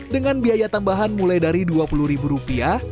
dengan biaya tambahan mulai dari dua puluh ribu rupiah